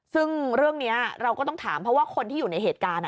ซึ่งเรื่องนี้เราก็ต้องถามเพราะว่าคนที่อยู่ในเหตุการณ์